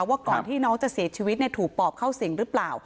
ว่าก่อนที่น้องจะเสียชีวิตถูกปอบเข้าสิ่งหรือเปล่า